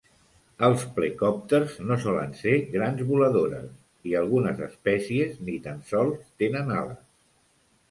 Els plecòpters no solen ser grans voladores i algunes espècies ni tan sols tenen ales.